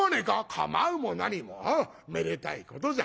「構うも何もめでたいことじゃ。